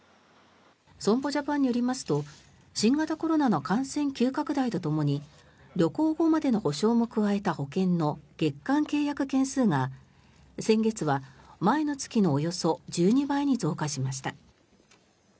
損保ジャパンによりますと新型コロナの感染急拡大とともに旅行後までの補償も加えた保険の月間契約件数が先月は前の月のおよそ１２倍に増加しました。